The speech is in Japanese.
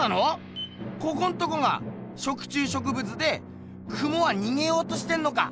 ここんとこが食虫植物でクモはにげようとしてんのか？